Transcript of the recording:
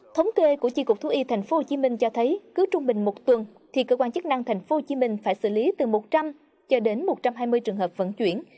thống kê của tri cục thú y tp hcm cho thấy cứ trung bình một tuần thì cơ quan chức năng tp hcm phải xử lý từ một trăm linh cho đến một trăm hai mươi trường hợp vận chuyển